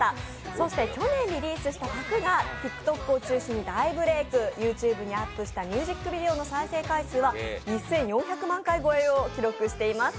そして去年リリースされた曲がＴｉｋＴｏｋを中心に大ブレーク、ＹｏｕＴｕｂｅにアップしたミュージックビデオの再生回数は２４００万回超えを記録しています。